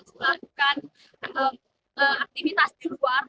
melakukan aktivitas di luar